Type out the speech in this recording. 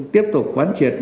tiếp tục quán triệt